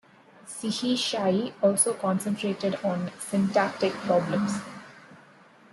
Sehechaye also concentrated on syntactic problems.